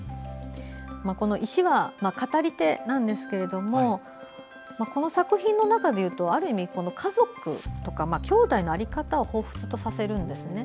石は語り手なんですけれどもこの作品の中でいうとある意味、家族とかきょうだいの在り方をほうふつとさせるんですね。